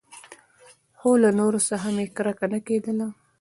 خو له نورو څخه مې کرکه نه کېدله.